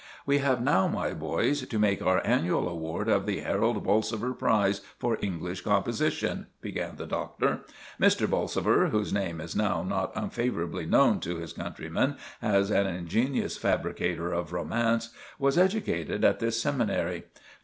"We have now, my boys, to make our annual award of the 'Harold Bolsover' prize for English composition," began the Doctor. "Mr. Bolsover, whose name is now not unfavourably known to his countrymen as an ingenious fabricator of romance, was educated at this seminary.